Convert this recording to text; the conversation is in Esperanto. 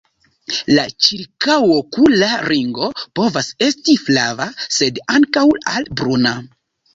La ĉirkaŭokula ringo povas esti flava, sed ankaŭ al bruna.